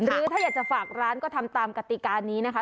หรือถ้าอยากจะฝากร้านก็ทำตามกติการนี้นะคะ